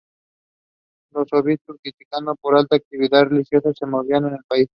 Los obispos criticado por 'alta actividad religiosa' se movían en el país.